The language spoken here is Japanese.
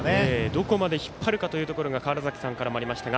どこまで引っ張るかというところ川原崎さんからもありました。